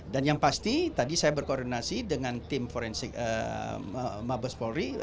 dan yang pasti tadi saya berkoordinasi dengan tim mabes polri